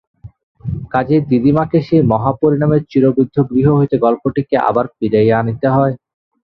কাজেই দিদিমাকে সেই মহাপরিণামের চিররুদ্ধ গৃহ হইতে গল্পটিকে আবার ফিরাইয়া আনিতে হয়।